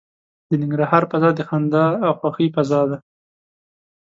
د ننګرهار فضا د خندا او خوښۍ فضا ده.